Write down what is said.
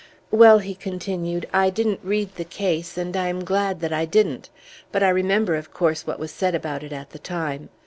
"Well," he continued, "I didn't read the case, and I am glad that I didn't, but I remember, of course, what was said about it at the time.